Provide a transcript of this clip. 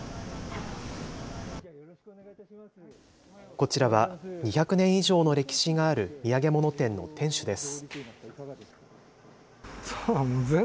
こちらは２００年以上の歴史がある土産物店の店主です。